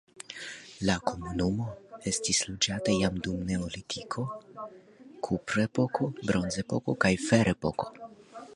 La komunumo estis loĝata jam dum neolitiko, kuprepoko, bronzepoko kaj ferepoko.